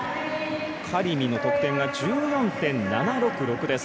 カリミの得点が１４．７６６です。